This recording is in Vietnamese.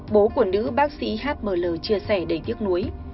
bố của nữ bác sĩ h m l chia sẻ đầy tiếc nuối